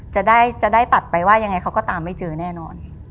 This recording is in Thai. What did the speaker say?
จะได้จะได้ตัดไปว่ายังไงเขาก็ตามไม่เจอแน่นอน